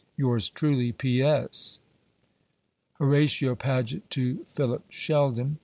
Yours truly, P. S. Horatio Paget to Philip Sheldon.